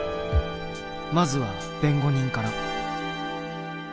まずは弁護人から。